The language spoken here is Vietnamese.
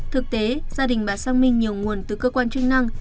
thực tế gia đình bà sang minh nhiều nguồn từ cơ quan chức năng